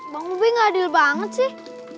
bang ubi gak adil banget sih